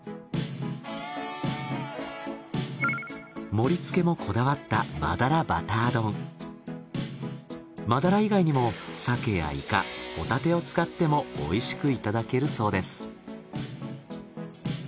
盛り付けもこだわった真鱈以外にも鮭やイカホタテを使っても美味しくいただけるそうです。